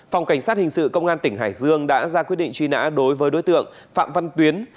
phòng cảnh sát hình sự công an tỉnh hải dương đã ra quyết định truy nã đối với đối tượng phạm văn tuyến